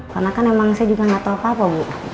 karena kan emang saya juga gak tahu apa apa bu